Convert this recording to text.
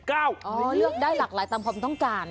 อ๋อเลือกได้หลากหลายตามของคุณต้องการ